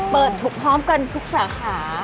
เปิดพร้อมกันทุกสาขา